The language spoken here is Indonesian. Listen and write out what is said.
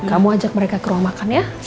kamu ajak mereka ke rumah makan ya